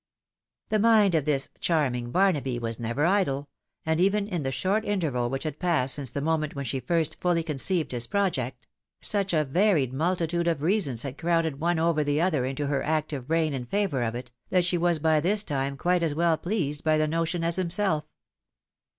The mind of this " charming Barnaby" was never idle, and even in the short interval which had passed since the moment when she first fully conceived his project, such a varied multi tude of reasons had crowded one over the other into her active brain in favour of it, that she was by this time quite as well pleased by the notion as himself.